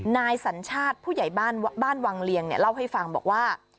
นายสัญชาติผู้ใหญ่บ้านบ้านวังเลียงเล่าให้ฟังบอกว่า